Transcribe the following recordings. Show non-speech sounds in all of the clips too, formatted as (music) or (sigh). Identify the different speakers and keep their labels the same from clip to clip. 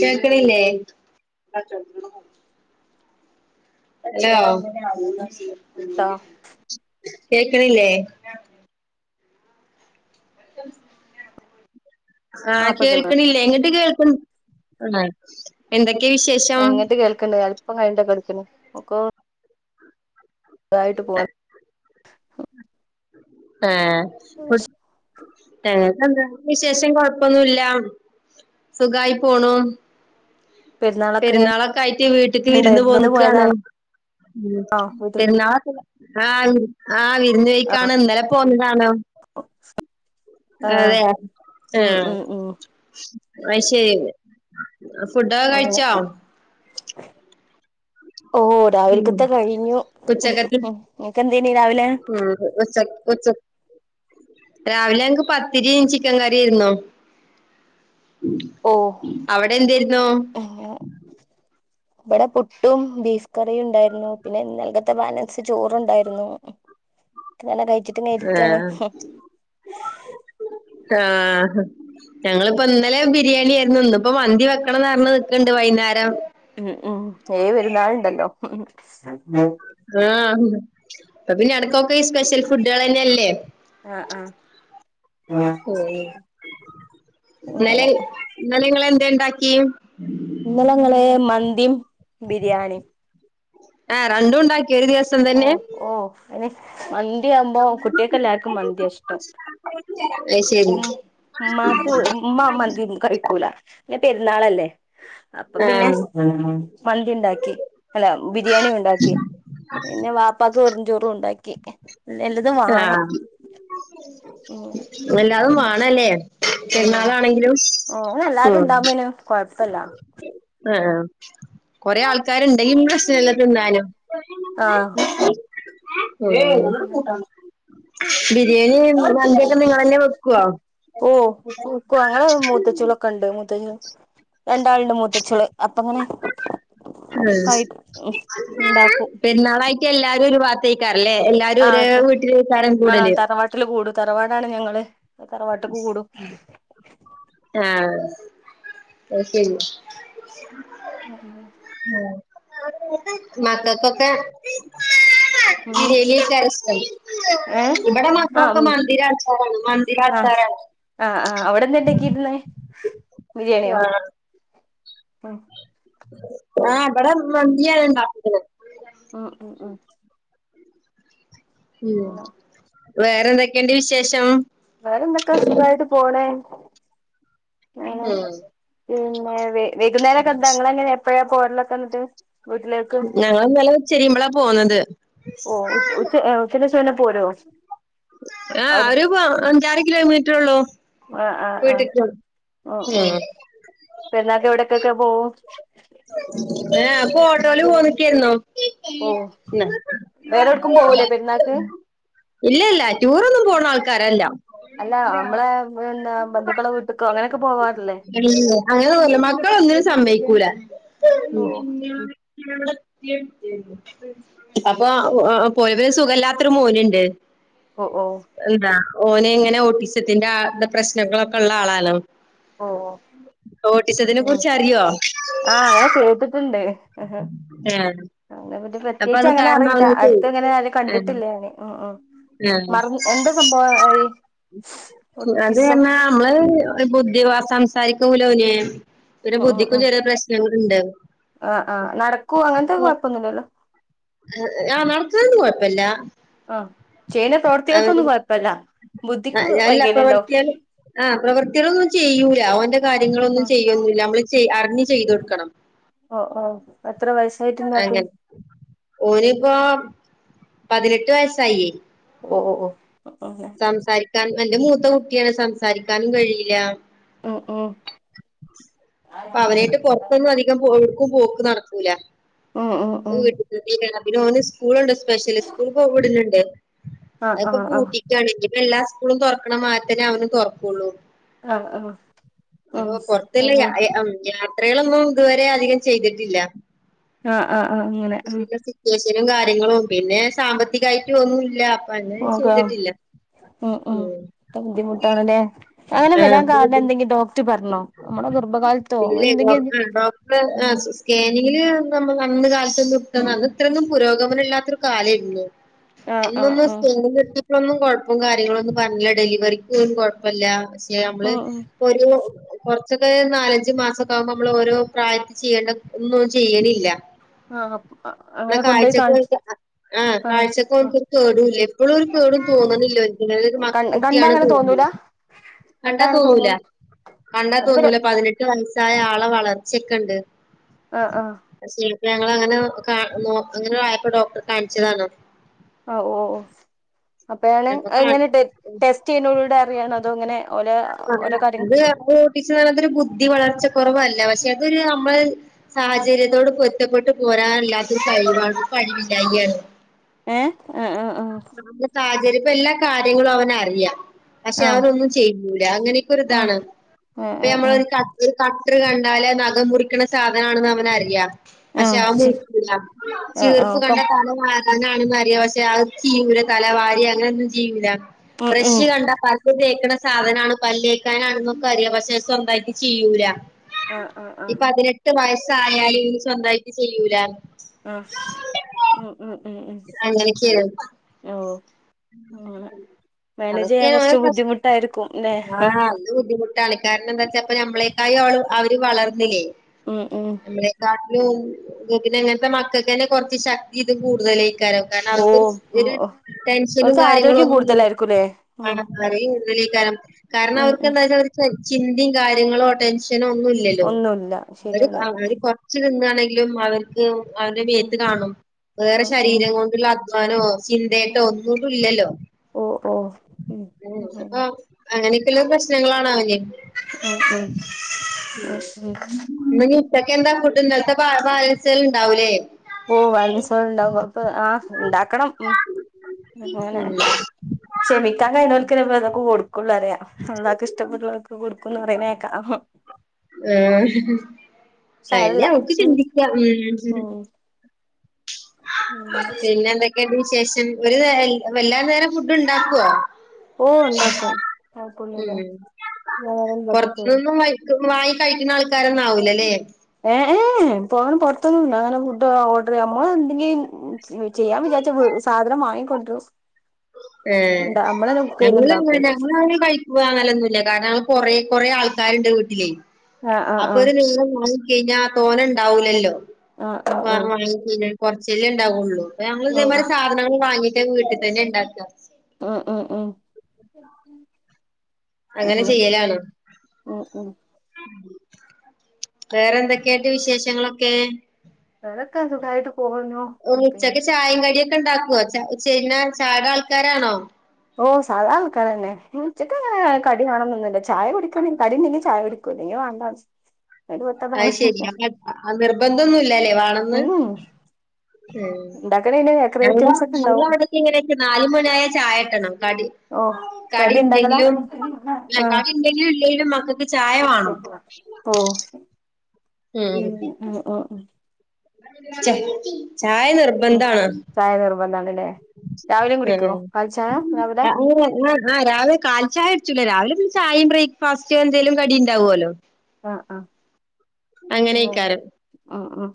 Speaker 1: കേക്കണില്ലെ? Hello.
Speaker 2: ട്ടോ.
Speaker 1: കേക്ക്ണില്ലേ? Welcome.
Speaker 2: ആ
Speaker 1: ആഹ്
Speaker 2: ഇപ്പൊ കേൾക്ക്ണ്
Speaker 1: കേൾക്ക്ണില്ലെ ഇങ്ങട്ട് കേൾക്ക്ൺ ആഹ് എന്തൊക്കെ വിശേഷം?
Speaker 2: ഇങ്ങട്ട് കേൾക്ക്ണ്ട് അൾ ഇപ്പ കഴിണ്ട കേട്ക്ക്ണ് ഓക്ക് അതായിട്ട് പോവാൻ.
Speaker 1: ഏഹ് വി വെറെന്ത വിശേഷം കൊഴപ്പൊന്നുല്ല സുഖായി പോണു.
Speaker 2: പെരുന്നാളൊക്കെ എങ്ങനെ
Speaker 1: പെരുന്നാളൊക്കായിറ്റ് വീട്ടക്ക് വിരുന്ന്
Speaker 2: ഉണ്ടായിരുന്നു ഇന്ന്
Speaker 1: പോന്ന്ക്കാണ്.
Speaker 2: പോയതാണോ
Speaker 1: ഉം
Speaker 2: വീട്ടിൽ
Speaker 1: പെരുന്നാളൊക്കെ ആഹ് വിര്
Speaker 2: ആ
Speaker 1: വിരുന്നൊയ്ക്കാണ് ഇന്നലെ പോന്നതാണ്.
Speaker 2: ആ
Speaker 1: അതെ
Speaker 2: ഉം
Speaker 1: ആഹ്
Speaker 2: ഉം ഉം
Speaker 1: അയ്ശെരി.
Speaker 2: ഉം ഓഹ്.
Speaker 1: ഉം
Speaker 2: രാവിലക്കത്തെ കഴിഞ്ഞു ഹ്
Speaker 1: ഉച്ചക്കത്തെ
Speaker 2: ഹ് ഇങ്ങക്ക് എന്തെന് രാവിലെ?
Speaker 1: ഒച്ച ഉച്ചക് രാവിലെ ഞങ്ങക്ക് പത്തിരിം ചിക്കൻ കറിയെരുന്നു.
Speaker 2: ഓ
Speaker 1: അവിടെ എന്തെരുന്നു?
Speaker 2: ഇബടെ പുട്ടും ബീഫ് കറിം ഇണ്ടായിരുന്നു പിന്നെ ഇന്നൽക്കത്തെ ബാല ൻസ് ചോറുണ്ടായിരുന്നു അതന്നെ കഴിച്ച്
Speaker 1: ആഹ് ആഹ്. ഞങ്ങള് ഇപ്പ ഇന്നലെ ബിരിയാണിയാരുന്നു ഇന്ന് ഇപ്പൊ മന്തി വെക്കണം ന്ന് പറഞ്ഞ് നിക്കണ്ട് വൈന്നേരം.
Speaker 2: ഉം ഉം ഏഴ്‌ പെര്ന്നാൾണ്ടല്ലോ
Speaker 1: ആഹ് അപ്പ പിന്നെ എടക്കൊക്കെ ഈ സ്പെഷൽ ഫുഡളെന്നെല്ലേ.
Speaker 2: ആ ആ അങ്ങനെ
Speaker 1: മം ഇന്നലയ് ഇന്നലെങ്ങളെന്തെണ്ടാക്കി?
Speaker 2: ഇന്നലെങ്ങള് മന്തിം ബിരിയാണിം
Speaker 1: എഹ് രണ്ടുണ്ടാക്കിയൊ ഒര്ദിവസ്
Speaker 2: ഓഹ് ഓഹ് അന് മന്തിയാവുമ്പോ കുട്ട്യാക്കെല്ലർക്കും മന്തിയാ ഇഷ്ടം.
Speaker 1: അയ്ശെരി
Speaker 2: ഉം ഉമ്മാക്ക് ഉമ്മ മന്തി ന്നും കഴിക്കൂല പിന്നെ പെര്ന്നാളല്ലേ അപ്പൊ പിന്നെ
Speaker 1: ആഹ്
Speaker 2: മന്തിണ്ടാക്കി അല്ല ബിരിയാണി ഉണ്ടാക്കി. പിന്നെ വാപ് വാപ്പാക്ക് വെറുഞ്ചോറുംണ്ടാക്കി എല്ലതും വാണം
Speaker 1: ആഹ്
Speaker 2: ഇങ്ങനെ.
Speaker 1: എല്ലാതും വാണല്ലേ
Speaker 2: ഉം
Speaker 1: പെര്ന്നാളാണെങ്കിലും
Speaker 2: അങ്ങനെ എല്ലാരും
Speaker 1: ഉം
Speaker 2: ഉണ്ടാവുമ്പേന് കൊഴപ്പല്ല
Speaker 1: ആഹ് കൊറേ ആൾക്കാര്ണ്ടെങ്കി പിന്നെ പ്രശ്നല്ലാ തിന്നാനും
Speaker 2: ആഹ്
Speaker 1: ആഹ് ബിരിയാണിം മന്തിയൊക്കെ നിങ്ങളെന്നെ വെക്കൊ
Speaker 2: ഓഹ് വെക്കോ ഞങ്ങൾ മൂത്തച്ചീയൊളൊക്കെണ്ട് മുത് ത്തല്ലൊ രണ്ടാള്ണ്ട് മൂത്തച്ചിയൊള് അപ്പങ്ങനെ കഴി ഇണ്ടാക്കും
Speaker 1: പെരുന്നാളായിട്ട് എല്ലാരും ഒര് വാത്തെക്കാരംലെ എല്ലാരും ഒര് വീട്ടിലെക്കാരം കൂടല്.
Speaker 2: ട്ടില് കൂടൂ തറവാടാണ് ഞങ്ങള് തറവാട്ട്ക്ക് കൂടും
Speaker 1: ആഹ് അയ്‌ശെരി
Speaker 2: ങാ പിന്നെ
Speaker 1: മ് മക്കക്കൊക്കെ
Speaker 2: ഉം
Speaker 1: ഇലേലെകാരം ഇഷ്ട്ടം
Speaker 2: ഏ
Speaker 1: ഇവിടെ
Speaker 2: ആ
Speaker 1: മക്കളോക്കെ
Speaker 2: ഉം
Speaker 1: മന്തിരെ ആൾകാരാണ് മന്തി ആൾ
Speaker 2: ആഹ് ആഹ് അവിടെന്താ ഉണ്ടാക്കിയിരുന്നെ ബിരിയാണിയോ? ഉം
Speaker 1: ആഹ് ബടെ മന്തിയണ്ടാകികണേ
Speaker 2: മ് മ് മ്
Speaker 1: മ് വേറെന്തൊക്കെണ്ട് വിശേഷം?
Speaker 2: വേറെന്തൊക്കെ സുഖായിട്ട് പോണേ, അങ്ങനെ പിന്നെ വൈ വൈകുന്നേരൊക്കെ ന്താ ഇങ്ങള് എങ്ങനെ എപ്പോഴ പോരലൊക്കെ എന്നിട്ട് വീട്ടിൽ
Speaker 1: ഞങ്ങൾ ന്നലെ ഉച്ചെരിയുമ്പോളാ പോന്നത്
Speaker 2: ഓ ഉച്ച ഉച്ചന്റെഷം പിന്നെ പോരോ
Speaker 1: ആ
Speaker 2: അവിടെ
Speaker 1: ഒരു പ അഞ്ചാറ് കിലോമീറ്റർള്ളു
Speaker 2: ആഹ് ആഹ് ആഹ് ഓ ഓ പെരുന്നാൾക് എവിടക്കൊക്കെ പോവും
Speaker 1: ഏ അപ്പൊ ഓട്ടോല് പോന്നികായിരുന്നു (inaudible)
Speaker 2: ഓഹ് വേറെ എവിടക്കും പോവൂലേ പെരുന്നാക്ക്
Speaker 1: ഇല്ല ഇല്ല ടൂറൊന്നും പോണ ആൾക്കാരല്ല,
Speaker 2: അല്ല നമ്മളെ എന്താ ബന്ധുക്കളെ വീട്ടക്കോ അങ്ങനെയൊക്കെ പോവാറില്ലേ?
Speaker 1: ഇല്ല അങ്ങനെന്നൂല്യ മക്കളൊന്നും സമ്മയിക്കൂല മ്
Speaker 2: ഓഹ്
Speaker 1: മ് (unintelligible) അപ്പൊ പോയവേ സുഖല്ലാത്തൊരു മോനുണ്ട്
Speaker 2: ഓ ഓ
Speaker 1: എന്താ ഓനെ ഇങ്ങനെ ഓട്ടീസത്തിന്റെ പ്രശ്നങ്ങളൊക്കെ ഉള്ള ആളാല്ലൊ
Speaker 2: ഓഹ്
Speaker 1: ഓട്ടിസതിനെ
Speaker 2: ഓഹ്
Speaker 1: കുറിച്ച് അറിയോ
Speaker 2: ആഹ് അങ്ങനെ കേട്ടിട്ടുണ്ട്
Speaker 1: ഹേ
Speaker 2: അതിനെ പറ്റി പ്രത്യേകിച്ച് അങ്ങനെ അറിയില്ല അടുത്തങ്ങനെ ആരേം കണ്ടിട്ടില്ല ഞാന് ഉം ഉം
Speaker 1: ഞാ
Speaker 2: സംഭവ അയി
Speaker 1: അതറഞ്ഞാ നമ്മള് ബുദ്ധിവ സംസാരികൂലോൻ പിന്നെ
Speaker 2: ഉം ഉം
Speaker 1: ബുദ്ധിക്കും
Speaker 2: ഉം
Speaker 1: ചെറിയ പ്രശ്നങ്ങളുണ്ട്
Speaker 2: ഒന്നുല്ലല്ലോ
Speaker 1: ആഹ് നടക്കാണെനൊന്നും കൊഴപ്പല്ല
Speaker 2: ആഹ് ചെയ്യുന്ന പ്രവർത്തികൾക്കൊന്നും കൊഴപ്പല്ല ബുദ്ധിക്ക് വൈകല്ണ്ടകും
Speaker 1: ആഹ് പ്രവർത്തികളോന്നും ചെയ്യൂല ഓന്റെ കാര്യങ്ങളൊന്നും
Speaker 2: ഉം
Speaker 1: ചെയ്യൊന്നുമില്ല നമ്മള് ചെയ അറിഞ്ഞ് ചെയ്ത കൊടുക്കണം
Speaker 2: ഓ ഓ എത്ര വയസായിട്ട്ണ്ടാക്കും
Speaker 1: ഓനിപ്പോപതിനെട്ട് വയസ്സായി
Speaker 2: ഓ ഓ ഓ
Speaker 1: സംസാരിക്കാൻ എന്റെ മൂത്തെ കുട്ടിയാണ് സംസാരിക്കാനും കഴിയില്ല
Speaker 2: ഓ ഓ
Speaker 1: ഇപ്പൊവരായിട്ട് പുറത്തൊന്നും അധികം എവ്ട്ക്കും പോക്ക് നടക്കൂല
Speaker 2: ഉം ഒ ഒ
Speaker 1: വീട്ടിതീകരം ഓന് സ്കൂളുണ്ട് സ്പെഷ്യല സ്കൂൾ പോവിടൽന്നുണ്ട്
Speaker 2: ആ ആ
Speaker 1: അതിപ്പോ
Speaker 2: ആ
Speaker 1: പൂട്ടി കാണങ്കി എല്ലാ സ്കൂളും തുറക്കണ മാരിതന്നെ അവനും തുറക്കുള്ളൂ
Speaker 2: ആ ആ ഉം
Speaker 1: ഞങ്ങ പൊറത്തല്ലയ
Speaker 2: ഉം
Speaker 1: യാ മ് യാത്രകളൊന്നും ഇതുവരെ അധികം ചെയ്തിട്ടില്ല
Speaker 2: ആഹ് ആഹ്ആഹ് അങ്ങനെ ആഹ്
Speaker 1: ട്യൂഷനും കാര്യങ്ങളും പിന്നെ സാമ്പത്തികായിട്ട് ഒന്നുല്ല്യ അങ്ങനെ ചെയ്തിട്ടില്ല മ്
Speaker 2: ഒക്കെബുദ്ധിമുട്ടണല്ലേ അങ്ങനെ വരാൻ കാരണം എന്തെങ്കിലും ഡോക്ടർപറഞ്ഞോ നമ്മുടെ ഗർഭകാലത്തോ
Speaker 1: ഇതിലെ
Speaker 2: അങ്ങനെഎന്തെങ്കിലും
Speaker 1: ആഹ് ഡോക്ടർ സ്കാനിങ്ങില് നമ്മള് അന്ന് കാലത്ത് അന്ന് ഇത്രൊന്നും പുരോഗമനല്ലാത്ത- കാല ആയിരുന്നു
Speaker 2: ആ ആ
Speaker 1: അന്നൊന്നും
Speaker 2: ആ
Speaker 1: സ്കാനിംഗ്ടുത്തിട്ടൊന്നും കൊഴപ്പം കാര്യങ്ങളൊന്നും പറഞ്ഞില ഡെലിവറിക്ക് കുഴപ്പല്ല
Speaker 2: ആ
Speaker 1: നമ്മള് ഇപ്പൊ ഒരു കുറച്ചൊക്കെ നാലഞ്ചു മാസംക്കെ ആകുമ്പോ നമ്മൾ ഓരോ പ്രായത്തി ചെയ്യേണ്ട ഒന്നും ഓൻ ചെയ്യണില്ല.
Speaker 2: ആഹ
Speaker 1: എന്നാ
Speaker 2: അങ്ങനെ കൊണ്ടോയി കാണി -
Speaker 1: കാഴ്ചക്ക് ആഹ് കാഴ്ചക്ക്‌ ഓന്ക്ക് ഒരു കേടുല്ലയ് ഇപ്പളും ഒരു കേടും തോന്നണില്ല ഓന്ക്ക് ഇങ്ങനെരു
Speaker 2: കണ്ട കണ്ടാ
Speaker 1: കുട്ടിയാണ്
Speaker 2: അങ്ങനെ തോന്നൂല
Speaker 1: തോന്നൂല്ല കണ്ടാ തോന്നൂല കണ്ടാ
Speaker 2: അത് വരെ
Speaker 1: തോന്നൂല പതിനെട്ട് വയസ്സായ ആളെ വളർച്ചക്കെണ്ട്
Speaker 2: ആഹ് ആഹ
Speaker 1: ഇപ്പൊ ഞങ്ങള്ങ്ങനെ അങ്ങനെ ആയപ്പോ ഡോക്ടറെ കാണിച്ചതാണ്
Speaker 2: ഓ ഓ അപ്പഴാണ്
Speaker 1: അപ്പൊ
Speaker 2: അത്ങ്ങനെ
Speaker 1: കാണി
Speaker 2: ഡെഡ്- ടെസ്റ്റ് ചെയ്യുന്നേലൂടെ അറിയാണോ അതോങ്ങനെ ഓല-
Speaker 1: അത് ഓട്ടിസത്തിന് ബുദ്ധി വളർച്ചക്കൊറവല്ല പക്ഷെ അതൊരു നമ്മള്- സാഹചര്യത്തോട് പൊര്ത്തപ്പെട്ട് പോരാനല്ലാത്തൊരു കഴിവാണ് കഴിവില്ലായിയാണ്
Speaker 2: ഏ
Speaker 1: ന്റെ സാഹചര്യപ്പ എല്ലാ കാര്യങ്ങളും അവനറിയാ. പക്ഷെ
Speaker 2: ആഹ്
Speaker 1: അവനൊന്നും ചെയ് ല്യ അങ്ങനെക്കെ ഒരു ഇതാണ്. ഇപ്പ
Speaker 2: ആഹ് ആഹ് ആഹ് ആഹ്
Speaker 1: നമ്മളൊരു കാ ഒരു കട്ടറ് കണ്ടാല് നഖം മുറിക്ണ സാധനാണെന്ന് അവനറിയാ.
Speaker 2: ആഹ്
Speaker 1: പക്ഷെ
Speaker 2: ആഹ്
Speaker 1: അവൻ
Speaker 2: ശരി
Speaker 1: മുറിക്കൂലാ.
Speaker 2: ആഹ്
Speaker 1: ചീർപ്പ്
Speaker 2: ആഹ് കം
Speaker 1: കണ്ടാതല വാര് ങ്ങനാണ്ന്ന് അറിയ. പക്ഷെ അത് ചെയ്യൂല. തല വാരെ അങ്ങനെന്നും ചെയ്യൂല.
Speaker 2: ഉം ഉം
Speaker 1: ബ്രഷ് കണ്ട പൽ ല് തേക്കണ സാധനണ്, പല്ലേക്കാനാണ്ന്നൊക്ക അറിയ. പക്ഷെ സ്വന്തായിട്ട് ചെയ്യൂല.
Speaker 2: ആഹ് ആഹ്. ആഹ്
Speaker 1: ഇ പതിനെട്ട് വയസ്സ് ആയാല് സ്വന്തയിട്ട് ചെയ്യൂല.
Speaker 2: ആഹ്. ഉം ഉം. ഉം. ഉം.
Speaker 1: അങ്ങനെകേണ്.
Speaker 2: ഓഹ് അങ്ങനെ മാനേജ് ചെയ്യാൻ
Speaker 1: അതൊക്കെയാണ്
Speaker 2: കൊറച്ച്
Speaker 1: പ്രശ്നം.
Speaker 2: ബുദ്ധിമുട്ടായിരിക്കും ല്ലേ
Speaker 1: ആഹ് അത് ബുദ്ധി മുട്ട് കളിക്കാരന എന്താ വെച്ചാ പ്പ നമ്മളക്കായ അവള് അവര് വളർന്നില്ലേ?
Speaker 2: ഉം. ഉം.
Speaker 1: നമ്മളെക്കാട്ടിലും പിന്നെ ഇങ്ങനത്തെ മക്കക്കന്നെ കുറച്ച് ശക്തി ഇതും കൂടുതലയ്ക്കാരം. കാരണം, അവർക്കൊരു തില്
Speaker 2: ഓഹ്
Speaker 1: ടെൻഷനും
Speaker 2: ഓൾക്ക്
Speaker 1: കാര്യങ്ങളും
Speaker 2: ആരോഗ്യം
Speaker 1: ഒന്നും ഇല്ല
Speaker 2: കൂടുതലായിരിക്കുംല്ലേ ഉം
Speaker 1: (unintelligible) കാരണം
Speaker 2: ഉം ഉം
Speaker 1: അവർക്ക്ന്താ (unintelligible) തെ ചിന്തിയിം കാര്യങ്ങളോ ടെൻഷനോ ഒന്നും ഇല്ലല്ലോ?
Speaker 2: ഒന്നുല്ല
Speaker 1: അവര്
Speaker 2: ശരിയാണ്
Speaker 1: അവര് ച്ചു തിന്നാണെങ്കിലും അവർക്ക് അവടെ
Speaker 2: ഉം
Speaker 1: മേത്ത് കാണും. വേറെ
Speaker 2: ഉം ഉം
Speaker 1: ശരീരം കൊണ്ടുള്ള അ- - ന്നാനോ ചിന്തയ്ട്ടോ ഒന്നും ഇല്ലല്ലോ? ഉം ത്പോ അങ്ങനൊക്കെള്ള പ്രശ്നങ്ങളാണവന്.
Speaker 2: ഉം ഉം.
Speaker 1: ഇന്നിഞ് ഉച്ചക്കെന്താ ഫുഡ്‌ ഇന്നൽത്തെ ബാ ബാലൻസ്കൾ ണ്ടാവൂലേ?
Speaker 2: ഓഹ് ബാലൻസ്കൾ ണ്ടാവും. അപ്പൊ ആഹ് ണ്ടാക്കണം. ഉം അങ്ങനെ.
Speaker 1: ഉം
Speaker 2: ക്ഷമിക്കാൻ കഴീണോൽക്കേ പ്പതൊക്കെ കൊടുക്കള്ളൂ അറിയാ. അള്ളാക്ക് ഇഷ്ടപ്പെട്ടള്ളർക്ക്‌ കൊടുക്കും. കുന്ന് പറീണേക്കാ.
Speaker 1: ആഹ് അയ്ന്നെ
Speaker 2: സാരല്ല
Speaker 1: നമുക്ക്
Speaker 2: ഉം
Speaker 1: ചിന്തിക്കാം.
Speaker 2: ഉം
Speaker 1: പിന്നെ എന്തൊക്കെണ്ട് വിശേഷം? ഒരു നേ എല്ലാ നേരം ഫുഡ് ഉണ്ടാക്കോ?
Speaker 2: ഓ ഉണ്ടാക്കും
Speaker 1: ഉം.
Speaker 2: കൊഴപ്പൊന്നുല്ല വേറെന്താക്കുപ്പോ
Speaker 1: പുറത്ത്‌ന്ന്ന്നൊന്നും വാങ്ങി ത്ന്ന് വാങ്ങി കഴിക്കുന്ന ആൾക്കാരൊന്നാവൂലല്ലേ?
Speaker 2: ഏഹ് ഏഹ്. ഇപ്പൊ അങ്ങനെ പൊറത്തൊന്നും അങ്ങനെ ഫുഡ് ഓർഡർ, നമ്മളാടെ ണ്ടെങ്കിൽ. ചെയ്യാൻ വിചാരിച്ചാ സാധനം വാങ്ങിക്കൊണ്ടരും.
Speaker 1: ഏഹ്
Speaker 2: ഇണ്ടാ നമ്മളന്നെ കുക്ക് ചെയ്ത്
Speaker 1: ഞങ്ങള് അങ്ങനെ
Speaker 2: ഇണ്ടാക്കും
Speaker 1: ഞങ്ങൾ അങ്ങനെ കഴി വാങ്ങലൊന്നുല്ല. കാരണം കൊറെ കുറേ ആൾക്കാരുണ്ട് വീട്ടിലേ.
Speaker 2: ആ ആ
Speaker 1: അപ്പൊ
Speaker 2: ആ
Speaker 1: ഒരു നീളം വാങ്ങിക്കഴിഞ്ഞാ തോനെണ്ടാവൂലല്ലോ
Speaker 2: ആ ആ ആ
Speaker 1: (unintelligible) കൊറച്ചല്ലേ ണ്ടാവുള്ളൂ അപ്പൊ ഞങ്ങള്
Speaker 2: ഉം
Speaker 1: ഇതേമാതിരി സാധനങ്ങള് വാങ്ങിട്ട് അത് വീട്ടി തന്നെണ്ടാക്ക
Speaker 2: ഉം ഉം ഉം ഉം
Speaker 1: അങ്ങനെ
Speaker 2: ഒഹ് ഒഹ്
Speaker 1: വേറെന്തൊക്കെ അന്റെ വിശേഷങ്ങളൊക്കെ
Speaker 2: വേറൊക്ക സുഖായിട്ട് പോണു പിന്നെ
Speaker 1: ഉച്ചക്ക് ചായിം കടിയൊക്കെ ണ്ടാക്കോ ച ചെയ്ന്നാ ചായടെ ആൾക്കാരാണോ?
Speaker 2: ഓഹ് സാധാ ആൾക്കാരന്നെ ഉച്ചക്കങ്ങനെ കടി വേണന്നൊന്നുല്ല ചായ കുടിക്കണം കടിണ്ടെങ്കിൽ ചായ കുടിക്കൂ ഇല്ലെങ്കി വാണ്ട
Speaker 1: അയ്ശെരി അപ്പോ ആഹ് നിർബന്ധന്നും ഇല്ലല്ലേ വാണന്ന്
Speaker 2: ഉം
Speaker 1: ഏഹ്
Speaker 2: ഇണ്ടാക്കണേല് ബേക്കറി
Speaker 1: ഞങ്ങ
Speaker 2: ഐറ്റംസ് ഒക്കെ ഇണ്ടാവും
Speaker 1: ഞങ്ങളവടക്കെങ്ങനെച്ചാ നാലുമണിയായ ചായട്ടണം കടി
Speaker 2: ഓഹ്
Speaker 1: കടി
Speaker 2: ഇണ്ടാക്കലാ
Speaker 1: ഇണ്ടെങ്കിലും ആഹ് കടിണ്ടെങ്കിലും ഇല്ലേലും മക്കക്ക് ചായ വാണം
Speaker 2: ഓഹ് ഉം ആഹ് ഓഹ് ഉം
Speaker 1: ച ചായ നിർ
Speaker 2: ഉം
Speaker 1: ബന്ധാണ്
Speaker 2: ചായ നിർബന്ധാണ്ല്ലേ രാവിലെയും കുടിക്കോ
Speaker 1: ആഹ്
Speaker 2: കാലിചായ രാവിലെ
Speaker 1: (inaudible) ആഹ് രാവിലേ കാലിചായടിച്ചൂല്ലേ രാവിലെ പിന്നെ ചായേം ബ്രേക്ക്ഫാസ്റ്റ് എന്തേലും കടിണ്ടാവുല്ലോ
Speaker 2: ആഹ് ആഹ്
Speaker 1: അങ്ങനെയൊക്കാരം
Speaker 2: ആഹ് ഉം ഉം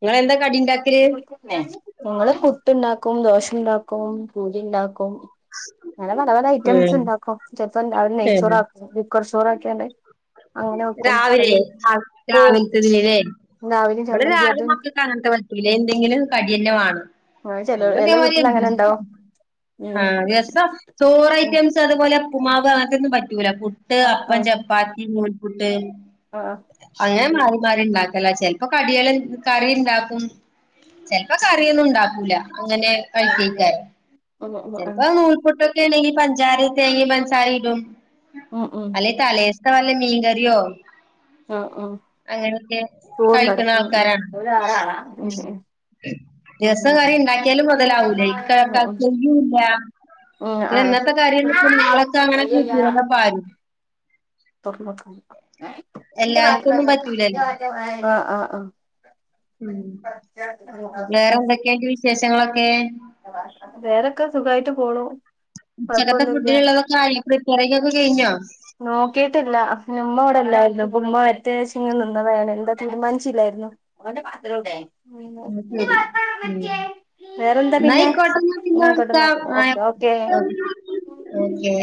Speaker 1: ഇങ്ങളെന്താ കടിണ്ടാ
Speaker 2: (unintelligible) ങ്ങ്ള് പുട്ട്ണ്ടാക്കും ദോശണ്ടാക്കും പൂരിണ്ടാക്കും അങ്ങനെ പല പല
Speaker 1: ഉം
Speaker 2: ഐറ്റംസ്ണ്ടാക്കും ചെൽപ്പം രാവിലേ
Speaker 1: ഉം
Speaker 2: നെയ്ച്ചോറാക്കും കുക്കർ ചോറാക്കിയാണ്ട് അങ്ങനെ വെക്കും അല്ല
Speaker 1: രാവിലേ ആഹ്
Speaker 2: ഓ
Speaker 1: രാവിൽത്തെന്നേലേ
Speaker 2: രാവിലെ
Speaker 1: ഇവടെ
Speaker 2: ചമ്മന്തി
Speaker 1: രാവിലെ
Speaker 2: അതും
Speaker 1: മക്ക ക്കങ്ങൻത്തെ പറ്റൂലേ എന്തെങ്കിലും കടിയന്നെ വാണം
Speaker 2: അങ്ങനെ ചില
Speaker 1: ഞങ്ങള്
Speaker 2: ചില വീട്ടിൽ അങ്ങനെ
Speaker 1: ഇതേമാതിരിയാ
Speaker 2: ഉണ്ടാവും ഉം
Speaker 1: ആഹ് ദിവസം ചോറ്
Speaker 2: ഉം
Speaker 1: ഐറ്റംസ് അതുപോലെ ഉപ്പുമാവ് അതൊന്നും പറ്റൂല പുട്ട്
Speaker 2: ആഹ്
Speaker 1: അപ്പം
Speaker 2: ആഹ്
Speaker 1: ചപ്പാത്തി നൂൽ പുട്ട്
Speaker 2: ആഹ്
Speaker 1: അങ്ങനെ മാറി മാറി ഇണ്ടാക്കലാ ചെൽപ്പ കടികള് കറീണ്ടാക്കും ചെൽപ്പം കറിയൊന്നും ഉണ്ടാക്കൂല അങ്ങനെ കഴിക്ക്യെക്കെ
Speaker 2: ഉം ഉം
Speaker 1: ചെൽപ്പോ നൂൽപുട്ട് റ്റേണെങ്കി പഞ്ചാരേം തേങ്ങേം പൻസാരേം ഇടും
Speaker 2: ഉം ഉം ഉം
Speaker 1: അല്ലെ തലേസ് കാലേ മീൻ കറിയോ
Speaker 2: ആഹ് ആഹ്
Speaker 1: അങ്ങനൊക്കെ
Speaker 2: ചോറുണ്ടവിടെ
Speaker 1: കഴിക്കണ
Speaker 2: ഉം ഉം
Speaker 1: ആൾക്കാരാണ്
Speaker 2: ഓല് ആറാളാ
Speaker 1: ഉം
Speaker 2: ഉം
Speaker 1: ദിവസോം
Speaker 2: ഉം
Speaker 1: കറി ണ്ടാക്യാലും മൊതലാവൂലൈ ഇക്കാക്കക്കത്
Speaker 2: ഉം
Speaker 1: തെകയ്യൂല
Speaker 2: ഉം ആഹ്
Speaker 1: ഇന്നത്തെ കാര്യം ന്ക്ക്മ്പോ നാളത്തെ അങ്ങനെ കൂട്ടൂലല്ലൊപ്പാരും
Speaker 2: തൊറന്നോക്കാന് ഏഹ് ഇന്റെ പാത്രം
Speaker 1: എല്ലാർക്കൊന്നും പറ്റൂലല്ലോ
Speaker 2: (unintelligible) ആഹ് ആഹ് ആഹ്
Speaker 1: വേറെന്തൊക്കെയ്ണ്ട് വിശേഷങ്ങളൊക്കേ
Speaker 2: വേറക്കെ സുഖായിട്ട് പോണു
Speaker 1: ഉച്ചകത്തെ
Speaker 2: കൊഴപ്പൊന്നുല്ല
Speaker 1: ഫുഡിനുള്ളതൊക്കെ ആയോ പ്രിപ്പേറിങ്ങൊക്കെ കയിഞ്ഞോ
Speaker 2: നോക്കീട്ടില്ല പിന്നുമ്മവടെല്ലാരുന്നു ഇപ്പൊമ്മ വരട്ടേച്ചിങ്ങനെ നിന്നതാണ് എന്താ തീരുമാനിച്ചില്ലാരുന്നു ഓന്റെ പാത്രോവ്ടേ
Speaker 1: അയ്ശെരി ഉം
Speaker 2: വേറെന്താ പിന്നെ
Speaker 1: ന്നായ്കോട്ടെന്നാ പിന്നെ
Speaker 2: ഞാൻ ആയിക്കോട്ടെന്നാ
Speaker 1: വിളിക്കാം
Speaker 2: ഓക്കെ
Speaker 1: ആഹ്
Speaker 2: ഓക്കെ
Speaker 1: ഓക്കെ